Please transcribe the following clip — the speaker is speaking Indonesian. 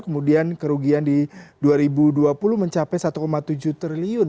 kemudian kerugian di dua ribu dua puluh mencapai satu tujuh triliun